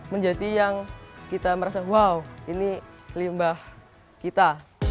menjadi yang kita merasa wow ini limbah kita